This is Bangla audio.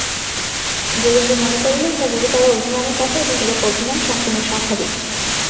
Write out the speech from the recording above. যোগেন্দ্র মনে করিল, ইহা গুরুতর অভিমানের কথা এবং এরূপ অভিমান সম্পূর্ণ স্বাভাবিক।